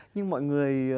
nhưng mọi người